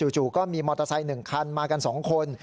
จู่ก็มีมอเตอร์ไซค์๑คันมากัน๒คน